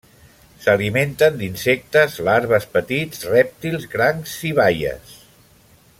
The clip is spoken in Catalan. S'alimenten d'insectes, larves, petits rèptils, crancs i baies.